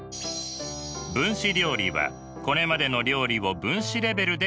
分子料理はこれまでの料理を分子レベルで解析。